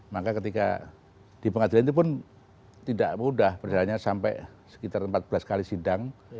maka ketika di pengadilan itu pun tidak mudah berjalannya sampai sekitar empat belas kali sidang